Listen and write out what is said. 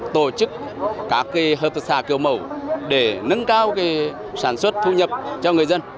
tổ chức các hợp tác xã kiểu mẫu để nâng cao sản xuất thu nhập cho người dân